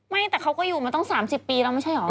แต่เขาก็อยู่มาตั้ง๓๐ปีแล้วไม่ใช่เหรอ